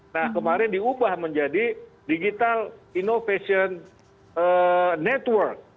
nah kemarin diubah menjadi digital innovation network